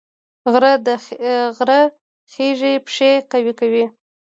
غره خیژي پښې قوي کوي